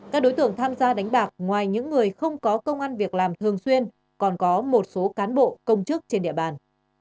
các đối tượng tham gia đánh bạc ngoài những người không có công an việc làm thường xuyên còn có một số cán bộ công chức trên địa bàn